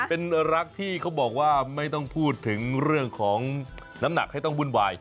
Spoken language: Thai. เป็นรักที่เขาบอกว่าไม่ต้องพูดถึงเรื่องของน้ำหนักให้ต้องวุ่นวาย